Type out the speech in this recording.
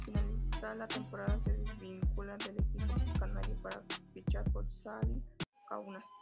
Al finalizar la temporada se desvincula del equipo canario para fichar por Žalgiris Kaunas.